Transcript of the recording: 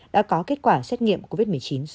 đã có kết quả xét nghiệm covid một mươi chín số